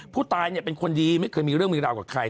ผู้ตายเนี่ยเป็นคนดีไม่เคยมีเรื่องมีราวกับใคร